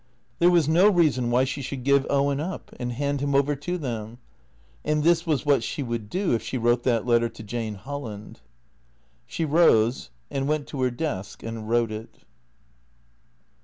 There was no reason why she should give Owen up, and hand him over to them. And this was what she would do if she wrote that letter to Jane Holland, She rose, and went to her desk and wrote it.